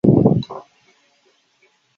徽典馆的。